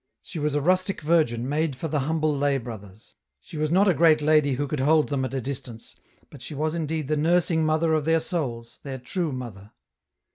She was a rustic Virgin made for the humble lay brothers ; she was not a great lady who could hold them at a distance, but she was indeed the nursing mother of their souls, their true mother.